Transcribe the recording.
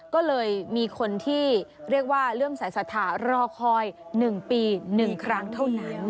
ก็เลยมีคนที่เรียกว่าเรื่องสายศรัทธารอคอย๑ปี๑ครั้งเท่านั้น